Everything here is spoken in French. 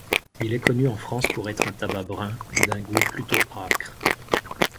Il est connu en France pour être un tabac brun, d'un goût plutôt âcre.